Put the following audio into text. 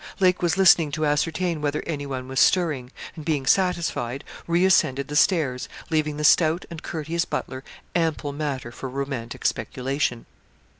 Lake was listening to ascertain whether anyone was stirring, and being satisfied, re ascended the stairs, leaving the stout and courteous butler ample matter for romantic speculation.